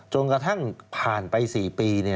กระทั่งผ่านไป๔ปี